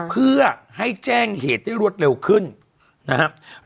เพื่อให้แจ้งเหตุได้รวดเร็วขึ้นนะครับ